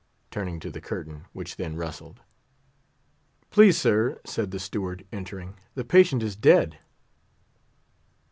turning to the curtain, which then rustled. "Please, sir," said the Steward, entering, "the patient is dead."